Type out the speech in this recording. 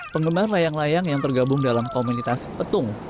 penggemar layang layang yang tergabung dalam komunitas petung